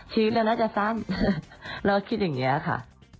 ชีวิตเราน่าจะสั้นแล้วก็คิดอย่างนี้ค่ะ